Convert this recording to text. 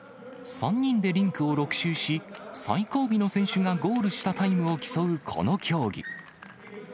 ３人でリンクを６周し、最後尾の選手がゴールしたタイムを競うこの競技。